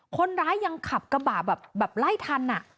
คนร้ายยังขับกระบะแบบไล่ทัน